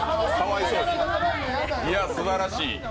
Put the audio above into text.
いやすばらしい。